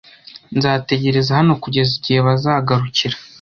Nzategereza hano kugeza igihe bazagarukira.